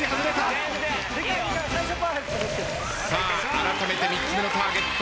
あらためて３つ目のターゲット。